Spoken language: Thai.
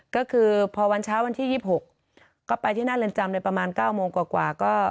ก็คือพอวันเช้าวันที่๒๖ก็ไปที่หน้าเรือนจำเลยประมาณ๙โมงกว่า